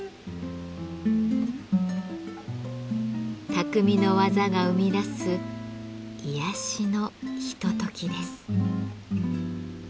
匠の技が生み出す癒やしのひとときです。